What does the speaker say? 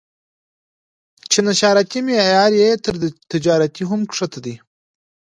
چې نشراتي معیار یې تر تجارتي هم ښکته دی.